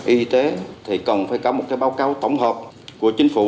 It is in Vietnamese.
y tế thì cần phải có một báo cáo tổng hợp của chính phủ